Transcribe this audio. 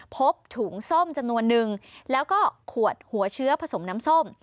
พบถุงส้มจำนวนนึงแล้วก็ขวดหัวเชื้อผสมน้ำส้ม